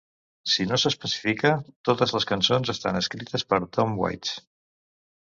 Si no s'especifica, totes les cançons estan escrites per Tom Waits.